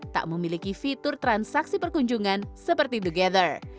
tak memiliki fitur transaksi perkunjungan seperti dogether